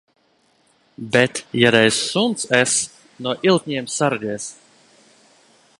Bet, ja reiz suns es, no ilkņiem sargies!